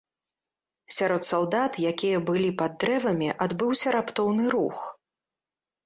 Сярод салдат, якія былі пад дрэвамі, адбыўся раптоўны рух.